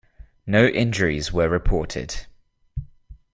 No injuries were reported.